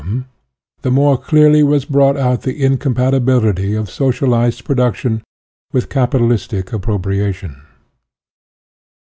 IO4 SOCIALISM the more clearly was brought out the in compatibility of socialised production with capitalistic appropriation.